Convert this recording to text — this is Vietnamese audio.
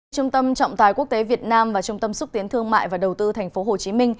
trung tâm trọng tài quốc tế việt nam và trung tâm xúc tiến thương mại và đầu tư tp hcm